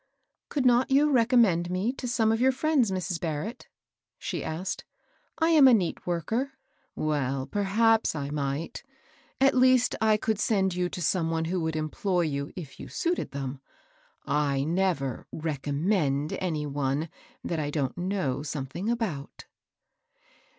" Could not you recommend me to some of your friends, Mrs. Barrett?" she asked. ^^ I am a neat worker." Well, perhaps I might ; at least I could send you to some one who would employ you if you suited them. I never recommend any one that I don't know something about."